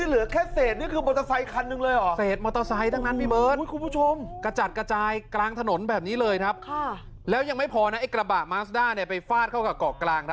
เรื่อยยังไม่พอกระบาลมาซด้าไปฟาดเข้ากับเกาะกลาง